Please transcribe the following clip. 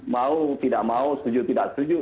mau tidak mau setuju tidak setuju